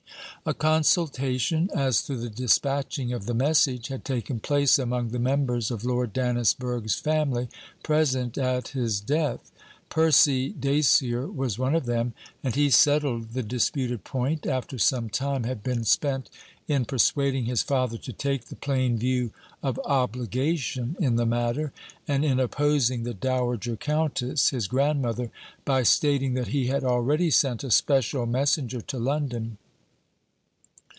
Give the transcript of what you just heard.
A consultation as to the despatching of the message, had taken place among the members of Lord Dannisburgh's family present at his death. Percy Dacier was one of them, and he settled the disputed point, after some time had been spent in persuading his father to take the plain view of obligation in the matter, and in opposing the dowager countess, his grandmother, by stating that he had already sent a special messenger to London.